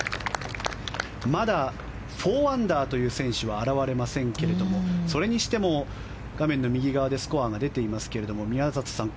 まだ４アンダーという選手は現れませんけれどもそれにしても画面の右側にスコアが出ていますが宮里さん